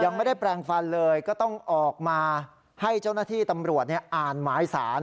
ยังไม่ได้แปลงฟันเลยก็ต้องออกมาให้เจ้าหน้าที่ตำรวจอ่านหมายสาร